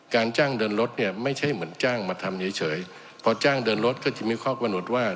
จ้างเดินรถเนี่ยไม่ใช่เหมือนจ้างมาทำเฉยพอจ้างเดินรถก็จะมีข้อกำหนดว่า